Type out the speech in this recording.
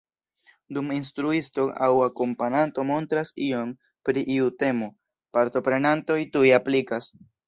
Dum instruisto aŭ akompananto montras ion pri iu temo, partoprenantoj tuj aplikas.